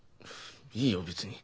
いいよ別に。